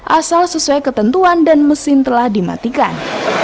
asal sesuai ketentuan dan mesin telah dimatikan